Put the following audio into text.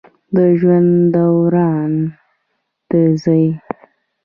د ژوند دوران د زی